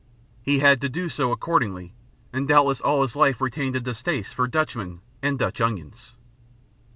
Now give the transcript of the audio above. He had to do so accordingly, and doubtless all his life retained a distaste for Dutchmen and Dutch onions.